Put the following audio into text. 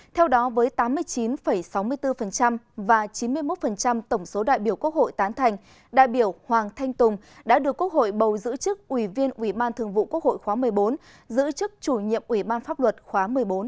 theo đó với tám mươi chín sáu mươi bốn và chín mươi một tổng số đại biểu quốc hội tán thành đại biểu hoàng thanh tùng đã được quốc hội bầu giữ chức ủy viên ủy ban thường vụ quốc hội khóa một mươi bốn giữ chức chủ nhiệm ủy ban pháp luật khóa một mươi bốn